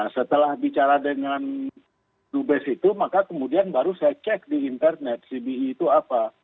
setelah bicara dengan dubes itu maka kemudian baru saya cek di internet cbe itu apa